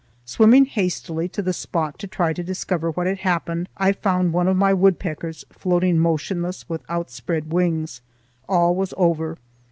Swimming hastily to the spot to try to discover what had happened, I found one of my woodpeckers floating motionless with outspread wings. All was over.